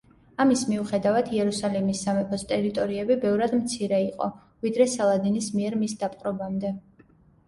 ამის მიუხედავად იერუსალიმის სამეფოს ტერიტორიები ბევრად მცირე იყო, ვიდრე სალადინის მიერ მის დაპყრობამდე.